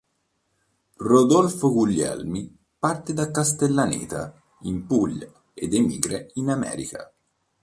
Rodolfo Guglielmi parte da Castellaneta in Puglia ed emigra in America.